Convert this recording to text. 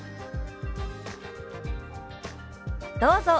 どうぞ。